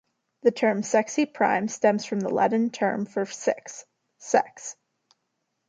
The term "sexy prime" stems from the Latin word for six: "sex".